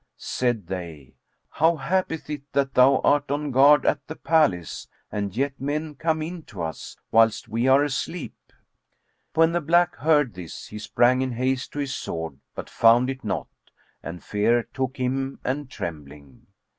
Said they, "How happeth it that thou art on guard at the palace and yet men come in to us, whilst we are asleep?" When the black heard this, he sprang in haste to his sword, but found it not; and fear took him and trembling.